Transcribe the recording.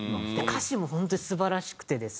歌詞も本当に素晴らしくてですね